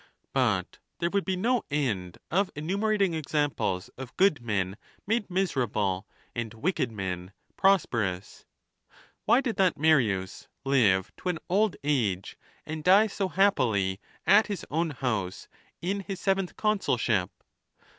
But there would be no end of enumerating examples of good men made miserable and wicked men prosperous. Why did that Marius live to an old age, and die so happily at his own house in his seventh I consulship?